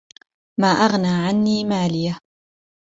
ما أغنى عني ماليه